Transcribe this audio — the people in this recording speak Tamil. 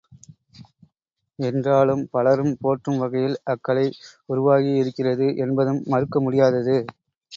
என்றாலும், பலரும் போற்றும் வகையில் அக்கலை உருவாகியிருக்கிறது என்பதும் மறுக்க முடியாதது.